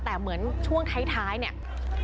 แต่เหมือนช่วงท้ายเนี่ย